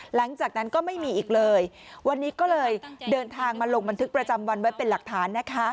หลังจากนั้นก็ไม่มีอีกเลยวันนี้ก็เลยเดินทางมาลงบันทึกประจำวันไว้เป็นหลักฐานนะคะ